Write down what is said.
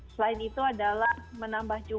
selain itu adalah menambah jumlah